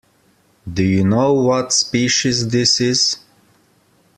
Do you know what species this is?